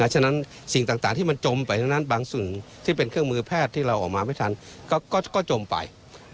ฉะนั้นสิ่งต่างที่มันจมไปทั้งนั้นบางส่วนที่เป็นเครื่องมือแพทย์ที่เราออกมาไม่ทันก็จมไป